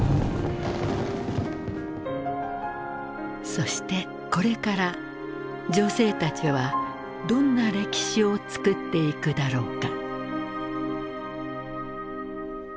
そしてこれから女性たちはどんな歴史をつくっていくだろうか。